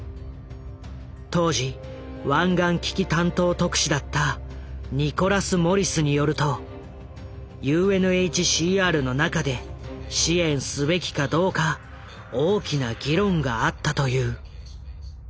当時湾岸危機担当特使だったニコラス・モリスによるとＵＮＨＣＲの中で支援すべきかどうか大きな議論があったという。